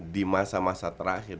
di masa masa terakhir